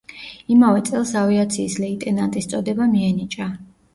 იმავე წელს, ავიაციის ლეიტენანტის წოდება მიენიჭა.